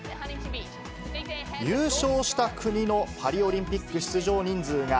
優勝した国のパリオリンピック出場人数が、